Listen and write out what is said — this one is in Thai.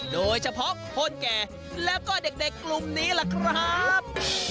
โดยเฉพาะคนแก่แล้วก็เด็กกลุ่มนี้ล่ะครับ